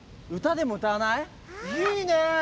いいね！